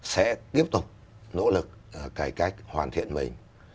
sẽ tiếp tục nỗ lực cải cách hoàn thiện mình